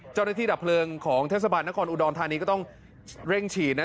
ดับเพลิงของเทศบาลนครอุดรธานีก็ต้องเร่งฉีดนะ